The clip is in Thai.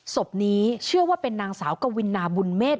ศพนี้เชื่อว่าเป็นนางสาวกวินาบุญเมษ